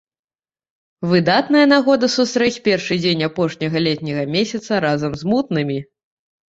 Выдатная нагода сустрэць першы дзень апошняга летняга месяца разам з мутнымі!